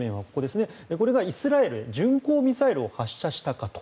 これがイスラエルに巡航ミサイルを発射したかと。